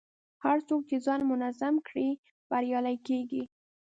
هر څوک چې ځان منظم کړي، بریالی کېږي.